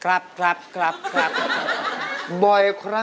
ข้าตัวไม่เอา